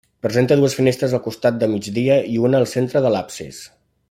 Presenta dues finestres al costat de migdia i una al centre de l'absis.